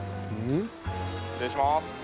失礼します。